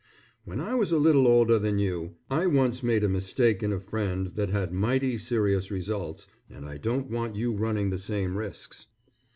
When I was a little older than you, I once made a mistake in a friend that had mighty serious results, and I don't want you running the same risks.